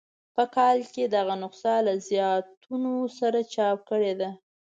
په کال کې دغه نسخه له زیاتونو سره چاپ کړې ده.